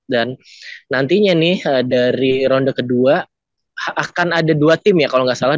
dan nantinya nih dari ronde kedua akan ada dua tim ya kalo gak salah